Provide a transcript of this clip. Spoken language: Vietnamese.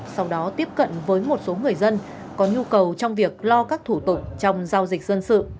sau đó tiếp cận với một số người dân có nhu cầu trong việc lo các thủ tục trong giao dịch dân sự